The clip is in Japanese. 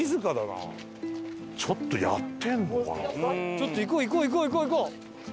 ちょっと行こう行こう行こう行こう行こう！